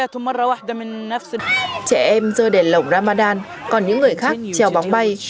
trẻ em rơi đèn lồng ramadan còn những người khác treo bóng bay